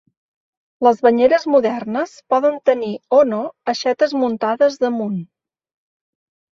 Les banyeres modernes poden tenir o no aixetes muntades damunt.